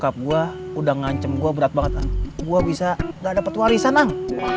bokap gua udah ngancem gua berat banget an gua bisa gak dapet warisan ang